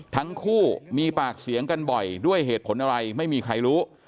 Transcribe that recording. ทั้งคู่มีปากเสียงกันบ่อยด้วยเหตุผลอะไรไม่มีใครรู้